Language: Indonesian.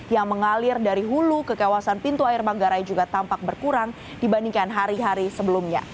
yang mengalir dari hulu ke kawasan pintu air manggarai juga tampak berkurang dibandingkan hari hari sebelumnya